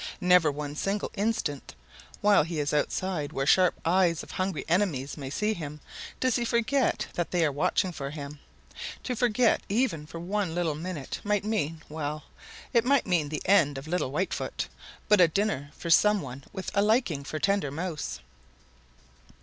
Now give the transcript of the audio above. Never one single instant, while he is outside where sharp eyes of hungry enemies may see him, does he forget that they are watching for him. To forget even for one little minute might mean well, it might mean the end of little Whitefoot, but a dinner for some one with a liking for tender Mouse.